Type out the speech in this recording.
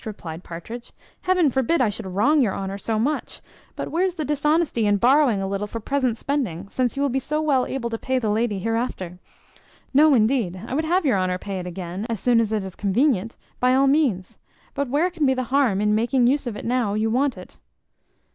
replied Partridge, "heaven forbid I should wrong your honour so much! but where's the dishonesty in borrowing a little for present spending, since you will be so well able to pay the lady hereafter? No, indeed, I would have your honour pay it again, as soon as it is convenient, by all means; but where can be the harm in making use of it now you want it?